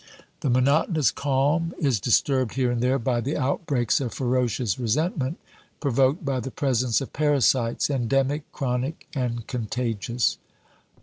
The monotonous calm is disturbed here and there by the outbreaks of ferocious resentment provoked by the presence of parasites endemic, chronic, and contagious.